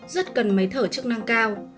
rất cần máy thở chức năng cao